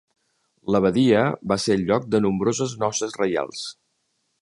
L'abadia va ser el lloc de nombroses noces reials.